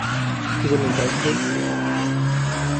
কি বললেন প্রাইছলেস?